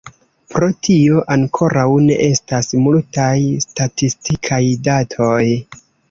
Pro tio ankoraŭ ne estas multaj statistikaj datoj.